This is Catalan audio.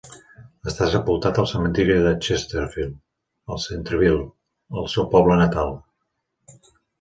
Està sepultat al cementiri de Chesterfield, a Centreville, el seu poble natal.